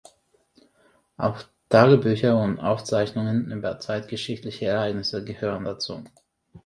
Auch Tagebücher und Aufzeichnungen über zeitgeschichtliche Ereignisse gehören dazu.